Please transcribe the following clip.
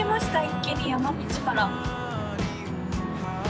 一気に山道から。